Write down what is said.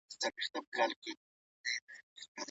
موږ باید د خلګو حقونه رعایت کړو.